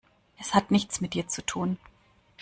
Es hat nichts mit dir zu tun.